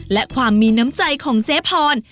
และความมีน้ำใจของเจ๊พร